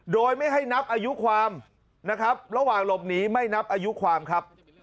โดยไม่ให้นับอายุความนะครับระหว่างหลบหนีไม่นับอายุความครับ